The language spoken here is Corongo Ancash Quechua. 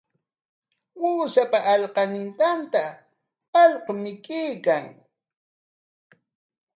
Uushapa aqallinninta allqu mikuykan.